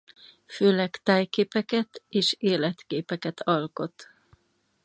Főleg tájképeket és életképeket alkot.